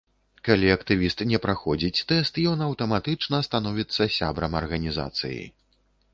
Калі актывіст не праходзіць тэст, ён аўтаматычна становіцца сябрам арганізацыі.